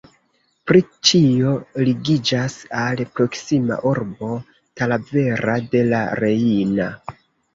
Pri ĉio ligiĝas al proksima urbo Talavera de la Reina.